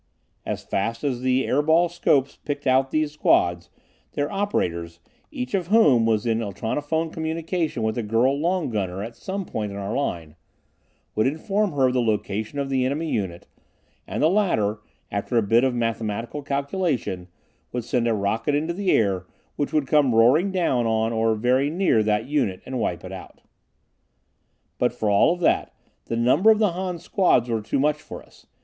As fast as the air ball scopes picked out these squads, their operators, each of whom was in ultronophone communication with a girl long gunner at some spot in our line, would inform her of the location of the enemy unit, and the latter, after a bit of mathematical calculation, would send a rocket into the air which would come roaring down on, or very near that unit, and wipe it out. But for all of that, the number of the Han squads were too much for us.